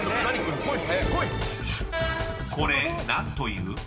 ［これ何という？］